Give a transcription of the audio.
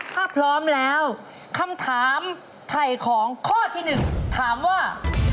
ถ้าพร้อมแล้วคำถามไถ่ของข้อที่๑ถามว่า